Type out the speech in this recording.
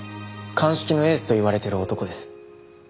鑑識のエースと言われている男です。